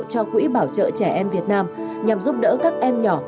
cho quỹ bảo trợ trẻ em việt nam nhằm giúp đỡ các em nhỏ